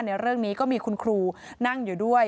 ในเรื่องนี้ก็มีคุณครูนั่งอยู่ด้วย